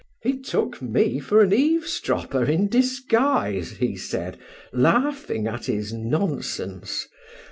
He took me for an eavesdropper in disguise, he said, laughing at his nonsense.